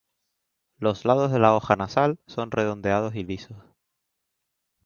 Los lados de la hoja nasal son redondeados y lisos.